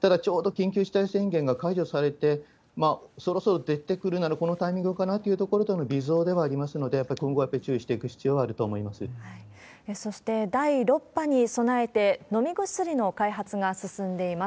ただちょうど緊急事態宣言が解除されて、そろそろ出てくるならこのタイミングかなというところでの微増ではありますので、やっぱり、今後注意していく必要はあると思いまそして、第６波に備えて、飲み薬の開発が進んでいます。